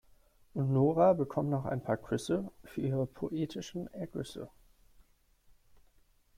Und Nora bekommt noch ein paar Küsse für ihre poetischen Ergüsse.